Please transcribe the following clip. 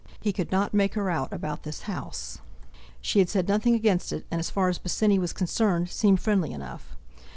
He could not make her out about this house. She had said nothing against it, and, as far as Bosinney was concerned, seemed friendly enough.